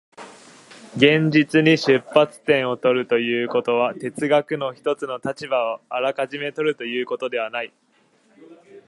現実に出発点を取るということは、哲学の一つの立場をあらかじめ取るということではない。